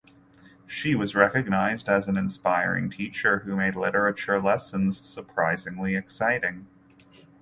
She was recognized as an inspiring teacher who made literature lessons surprisingly exciting.